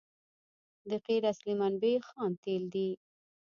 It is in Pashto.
د قیر اصلي منبع خام تیل دي